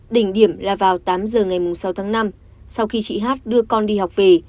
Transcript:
đỉnh điểm là vào tám giờ ngày sáu tháng năm sau khi chị hát đưa con đi học về